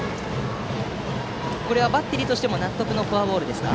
これはバッテリーとしても納得のフォアボールですか。